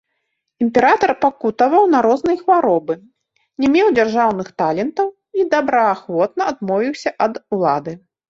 Імператар пакутаваў на розныя хваробы, не меў дзяржаўных талентаў і добраахвотна адмовіўся ад улады.